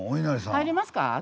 入りますか？